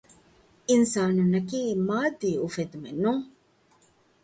އިންސާނުންނަކީ މާއްދީ އުފެއްދުމެއްނޫން